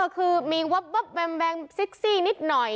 คือมีแบงบ์แบงซิกซี่นิดหน่อย